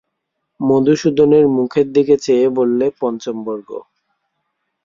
মধুসূদনের মুখের দিকে চেয়ে বললে, পঞ্চম বর্গ।